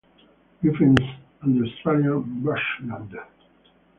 "Griffins and the Australian bushland".